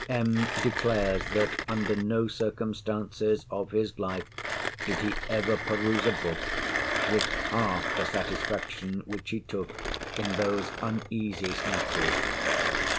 M. declares, that under no circumstances of his life did he ever peruse a book with half the satisfaction which he took in those uneasy snatches.